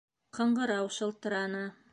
Ҡыңғырау шылтыраны.